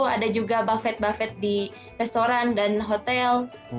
ada juga buffet buffet di restoran dan hotel